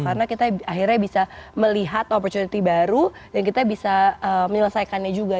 karena kita akhirnya bisa melihat opportunity baru dan kita bisa menyelesaikannya juga